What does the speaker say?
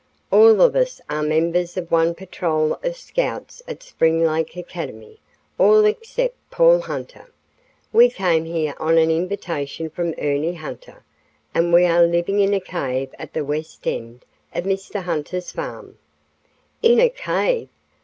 "All of us are members of one patrol of Scouts at Spring Lake Academy, all except Paul Hunter. We came here on an invitation from Ernie Hunter, and we are living in a cave at the west end of Mr. Hunter's farm." "In a cave!"